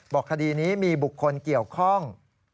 คดีนี้มีบุคคลเกี่ยวข้อง